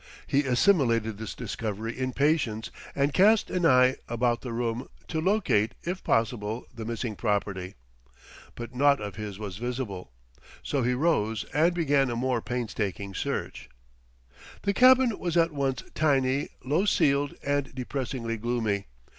He assimilated this discovery in patience and cast an eye about the room, to locate, if possible, the missing property. But naught of his was visible. So he rose and began a more painstaking search. The cabin was at once tiny, low ceiled, and depressingly gloomy.